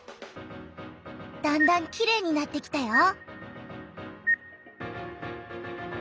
だんだんきれいになってきたよ！